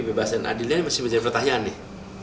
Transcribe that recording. bebas dan adilnya masih menjadi pertanyaan nih